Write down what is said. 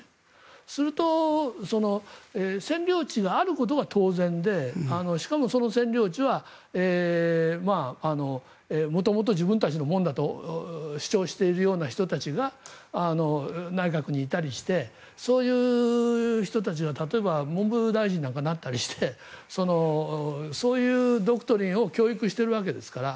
そうすると占領地があることが当然でしかもその占領地は元々自分たちのものだと主張しているような人たちが内閣にいたりしてそういう人たちが、例えば文部大臣なんかになったりしてそういうドクトリンを教育してるわけですから。